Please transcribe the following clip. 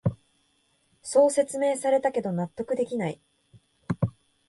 そう説明されたけど納得できない